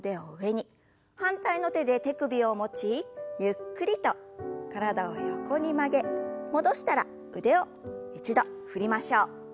反対の手で手首を持ちゆっくりと体を横に曲げ戻したら腕を一度振りましょう。